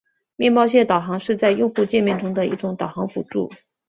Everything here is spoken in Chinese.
面包屑导航是在用户界面中的一种导航辅助。